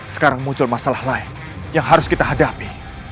sekarang muncul masalah lain yang harus kita hadapi